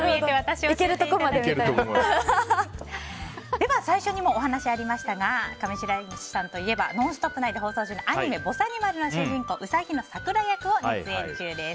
では最初にお話がありましたが上白石さんといえば「ノンストップ！」で放送中のアニメ「ぼさにまる」の主人公ウサギのさくら役を熱演中です。